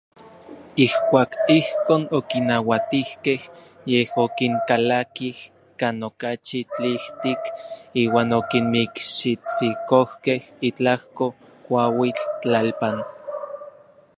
Ijkuak ijkon okinauatijkej, yej okinkalakij kan okachi tlijtik iuan okinmikxitsikojkej itlajko kuauitl tlalpan.